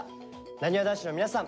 なにわ男子の皆さん